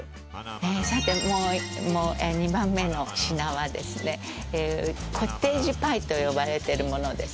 さて２番目の品はですねコテージパイと呼ばれてるものです。